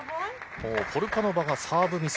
ポルカノバがサーブミス。